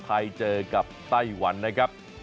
ไทยเจอกับไต้หวันนะครับ